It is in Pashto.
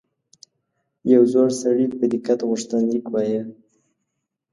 یو زوړ سړي په دقت غوښتنلیک وایه.